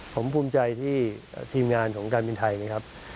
ผมภูมิใจที่ทีลงงานของการมีลไทย